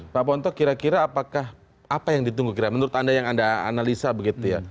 pak ponto kira kira apakah apa yang ditunggu kira menurut anda yang anda analisa begitu ya